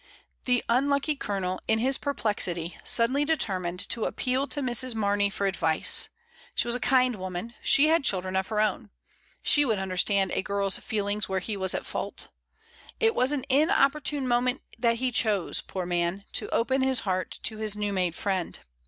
The unlucky Colonel in his per plexity suddenly determined to appeal to Mrs. Mamey for advice — she was a kind woman, she had children of her own. She would understand a girl's feelings where he was at fault. It was an in opportime moment that he chose, poor man, to open his heart to his new made friend.